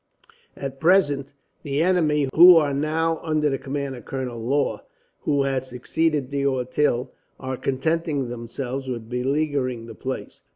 "At present the enemy, who are now under the command of Colonel Law, who has succeeded D'Auteuil, are contenting themselves with beleaguering the place.